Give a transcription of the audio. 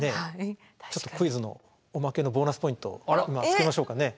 ちょっとクイズのおまけのボーナスポイントをつけましょうかね。